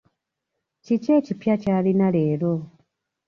Kiki ekipya ky'alina leero?